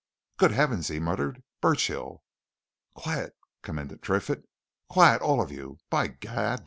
"Good heavens!" he muttered. "Burchill!" "Quiet!" commanded Triffitt. "Quiet, all of you. By Gad!